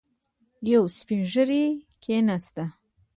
يو سپين ږيری کېناست.